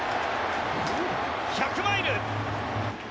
１００マイル！